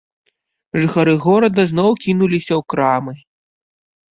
Жыхары горада зноў кінуліся ў крамы.